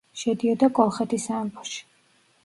შედიოდა კოლხეთის სამეფოში.